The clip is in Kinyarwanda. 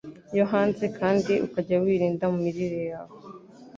yo hanze, kandi ukajya wirinda mu mirire yawe.